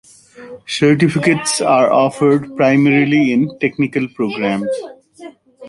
Certificates are offered primarily in technical programs.